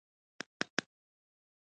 د پلار وجود د اولاد لپاره رحمت دی.